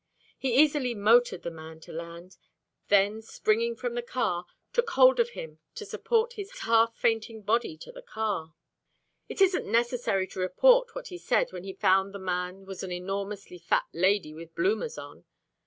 He easily motored the man to land, then springing from the car, took hold of him to support his half fainting body to the car. It isn't necessary to report what he said when he found the man was an enormously fat lady with bloomers on.